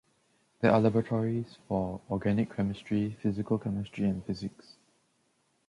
There are laboratories for organic chemistry, physical chemistry and physics.